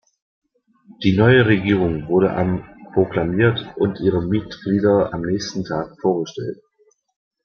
Die neue Regierung wurde am proklamiert und ihre Mitglieder am nächsten Tag vorgestellt.